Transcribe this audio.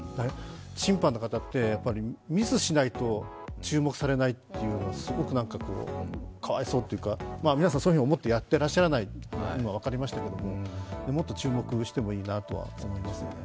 審判の方って、ミスしないと注目されないというのはすごくかわいそうというか、皆さんそういうふうに思ってやっていらっしゃらないのは分かりましたけど、もっと注目してもいいなとは思いますね。